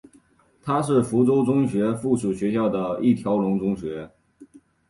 它是福建中学附属学校的一条龙中学。